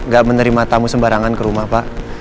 gak menerima tamu sembarangan ke rumah pak